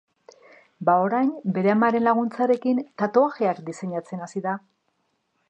Bada, orain, bere amaren laguntzarekin, tatuajeak diseinatzen hasi da.